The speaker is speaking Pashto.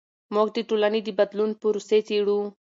موږ د ټولنې د بدلون پروسې څیړو.